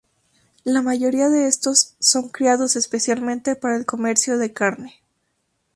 La mayoría de estos son criados especialmente para el comercio de carne.